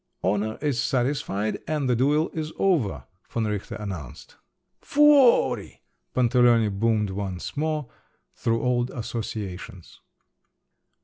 "Honour is satisfied, and the duel is over!" von Richter announced. "Fuori!" Pantaleone boomed once more, through old associations.